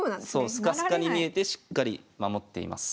スカスカに見えてしっかり守っています。